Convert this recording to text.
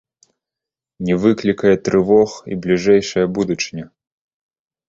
Не выклікае трывог і бліжэйшая будучыня.